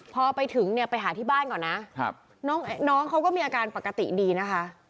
พอไปถึงเนี่ยไปหาที่บ้านก่อนนะน้องเขาก็มีอาการปกติดีนะคะ